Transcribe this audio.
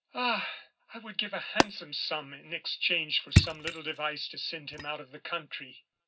Ah! I would give a handsome sum in exchange for some little device to send him out of the country."